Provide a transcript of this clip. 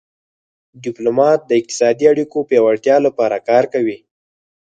ډیپلومات د اقتصادي اړیکو پیاوړتیا لپاره کار کوي